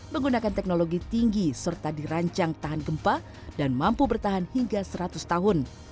menggunakan teknologi tinggi serta dirancang tahan gempa dan mampu bertahan hingga seratus tahun